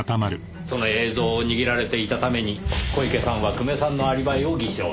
その映像を握られていたために小池さんは久米さんのアリバイを偽証した。